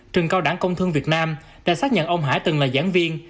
trường cao đẳng công thương việt nam đã xác nhận ông hải từng là giảng viên